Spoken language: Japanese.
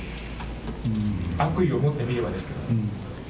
悪意を持って見ればです。